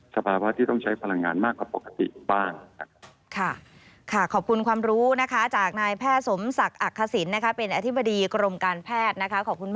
สภาวะที่ต้องใช้พลังงานมากกว่าปกติบ้าง